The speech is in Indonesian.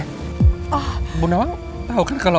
ibu nawang tau kan kalo